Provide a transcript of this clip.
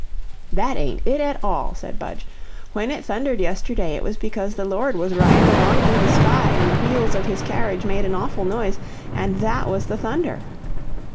"That ain't it at all," said Budge. "When it thundered yesterday it was because the Lord was riding along through the sky and the wheels of his carriage made an awful noise, an' that was the thunder."